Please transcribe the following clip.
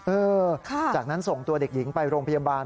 จากนั้นส่งตัวเด็กหญิงไปโรงพยาบาล